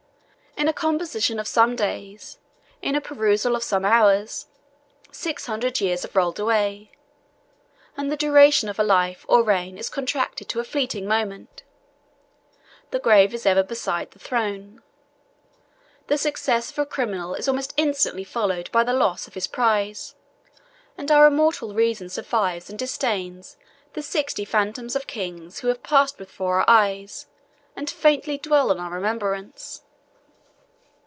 In a composition of some days, in a perusal of some hours, six hundred years have rolled away, and the duration of a life or reign is contracted to a fleeting moment: the grave is ever beside the throne: the success of a criminal is almost instantly followed by the loss of his prize and our immortal reason survives and disdains the sixty phantoms of kings who have passed before our eyes, and faintly dwell on our remembrance.